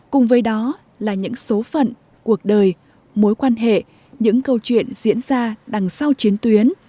cùng với đó là những số phận cuộc đời mối quan hệ những câu chuyện diễn ra đằng sau chiến tuyến